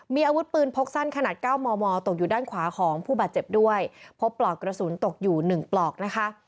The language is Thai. มีอาวุธปืนพกสั้นขนาดเก้ามอมอตกอยู่ด้านขวาของผู้บาดเจ็บด้วยพบปลอกกระสุนตกอยู่หนึ่งปลอกนะคะ